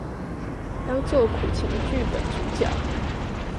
當做苦情劇本主角